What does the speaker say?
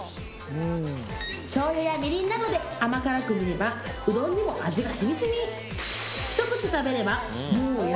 しょうゆやみりんなどで甘辛く煮ればうどんにも味が染み染み！